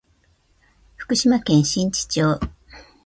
福島県新地町